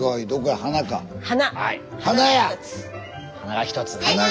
鼻が１つ。